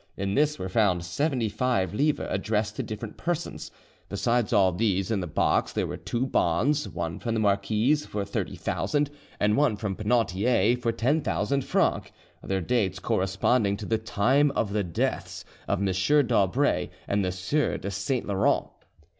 In this were found seventy five livres, addressed to different persons. Besides all these, in the box there were two bonds, one from the marquise for 30,000, and one from Penautier for 10,000 francs, their dates corresponding to the time of the deaths of M. d'Aubray and the Sieur de St. Laurent."